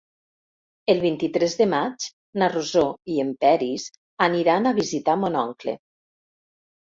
El vint-i-tres de maig na Rosó i en Peris aniran a visitar mon oncle.